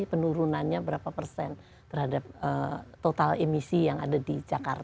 jadi penurunannya berapa persen terhadap total emisi yang ada di jakarta